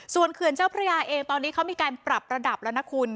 ส่วนเขื่อนเจ้าพระยาเองตอนนี้เขามีการปรับระดับแล้วนะคุณ